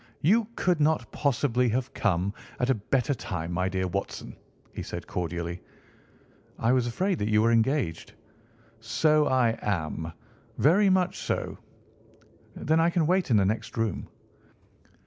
"You could not possibly have come at a better time, my dear Watson," he said cordially. "I was afraid that you were engaged." "So I am. Very much so." "Then I can wait in the next room."